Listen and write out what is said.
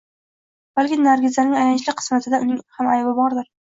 Balki Nargizaning ayanchli qismatida uning ham aybi bordir